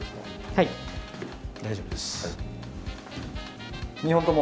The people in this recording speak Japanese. はい、大丈夫です。